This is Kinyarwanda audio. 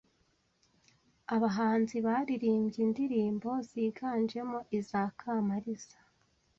abahanzi baririmbye indirimbo ziganjemo iza Kamaliza